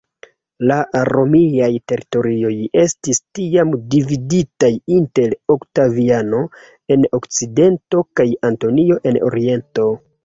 La Romiaj teritorioj estis tiam dividitaj inter Oktaviano en Okcidento kaj Antonio en Oriento.